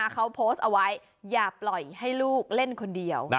เขาโพสต์เอาไว้อย่าปล่อยให้ลูกเล่นคนเดียว